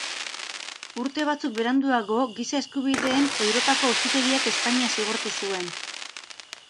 Urte batzuk beranduago Giza Eskubideen Europako Auzitegiak Espainia zigortu zuen.